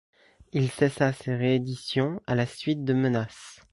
Il cessa ses rééditions à la suite de menaces.